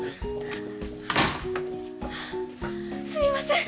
すいません